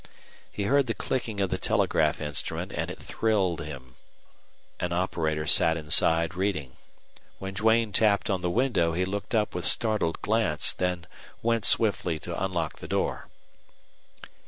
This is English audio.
He heard the clicking of the telegraph instrument, and it thrilled him. An operator sat inside reading. When Duane tapped on the window he looked up with startled glance, then went swiftly to unlock the door.